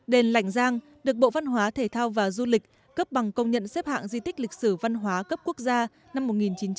đền lảnh giang được bộ văn hóa thể thao và du lịch cấp bằng công nhận xếp hạng di tích lịch sử văn hóa cấp quốc gia năm một nghìn chín trăm bảy mươi